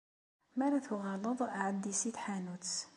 Mi ara tuɣaleḍ, ɛeddi si tḥanut.